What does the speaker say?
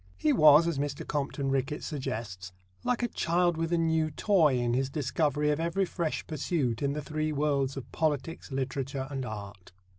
He was, as Mr. Compton Rickett suggests, like a child with a new toy in his discovery of ever fresh pursuits in the three worlds of Politics, Literature and Art.